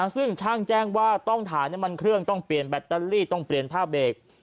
ซึ่งช่างแจ้งว่าต้องถ่ายน้ำมันเครื่องต้องเปลี่ยนแบตเตอรี่ต้องเปลี่ยนผ้าเบรก